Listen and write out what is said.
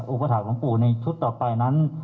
อุปถาคหลวงปู่ในชุดต่อไปนั้น